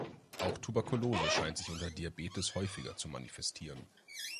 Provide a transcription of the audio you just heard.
Auch Tuberkulose scheint sich unter Diabetes häufiger zu manifestieren.